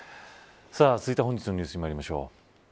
続いて本日のニュースまいりましょう。